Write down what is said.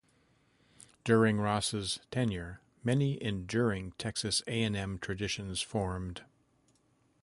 During Ross's tenure, many enduring Texas A and M traditions formed.